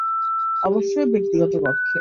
অবশ্যই ব্যক্তিগত কক্ষে!